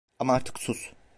Ama artık sus…